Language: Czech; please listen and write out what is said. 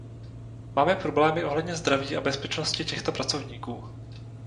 Máme problémy ohledně zdraví a bezpečnosti těchto pracovníků.